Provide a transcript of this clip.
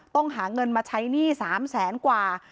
ต้องหาเงินมาใช้หนี้๓แสนกว่า